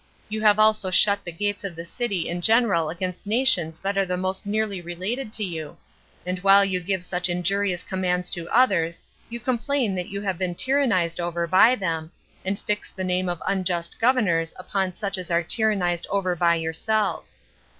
You have also shut the gates of the city in general against nations that are the most nearly related to you; and while you give such injurious commands to others, you complain that you have been tyrannized over by them, and fix the name of unjust governors upon such as are tyrannized over by yourselves.